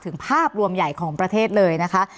ภาพรวมใหญ่ของประเทศเลยนะคะ